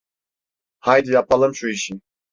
Haydi yapalım şu işi.